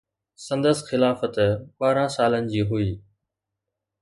سندس خلافت ٻارهن سالن جي هئي